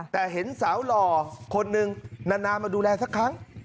แต่เห็นสาวหล่อคนนึงนานมาดูแลสักครั้ง